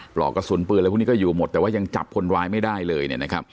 ปลอกกระสุนปืนอะไรพวกนี้ก็อยู่หมดแต่ว่ายังจับคนร้ายไม่ได้เลย